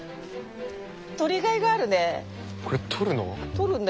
採りがいがあるね。